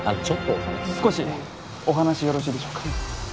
ちょっと少しお話よろしいでしょうか？